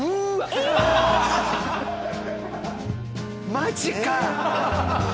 マジか！